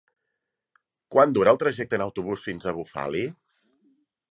Quant dura el trajecte en autobús fins a Bufali?